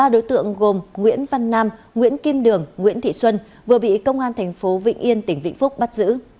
ba đối tượng gồm nguyễn văn nam nguyễn kim đường nguyễn thị xuân vừa bị công an thành phố vịnh yên tỉnh vĩnh phúc bắt giữ